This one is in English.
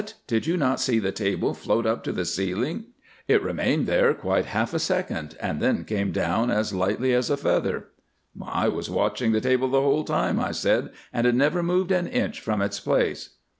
did you not see the table float up to the ceiling? It remained there quite half a second, and then came down as lightly as a feather." "I was watching the table the whole time," I said, "and it never moved an inch from its place."